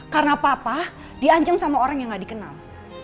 karena papa diancam sama orang yang gak dikenal